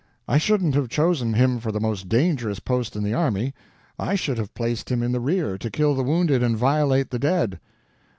I shouldn't have chosen him for the most dangerous post in the army. I should have placed him in the rear to kill the wounded and violate the dead."